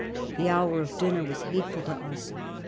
The hour of dinner was hateful to us.